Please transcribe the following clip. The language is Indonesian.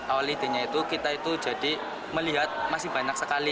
awal intinya itu kita itu jadi melihat masih banyak sekali